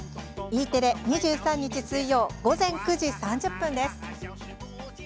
Ｅテレ、２３日、水曜午前９時３０分です。